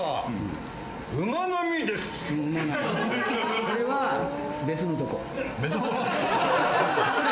これは、別のとこ。